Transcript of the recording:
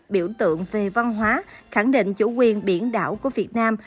biểu tượng về văn hóa khẳng định chủ quyền biển đảo của việt nam